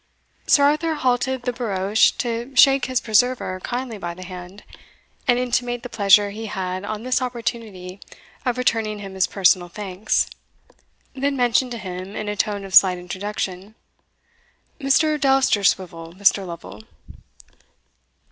Sir Arthur halted the barouche to shake his preserver kindly by the hand, and intimate the pleasure he had on this opportunity of returning him his personal thanks; then mentioned to him, in a tone of slight introduction, "Mr. Dousterswivel, Mr. Lovel."